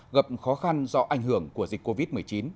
gặp khó khăn do ảnh hưởng của dịch covid một mươi chín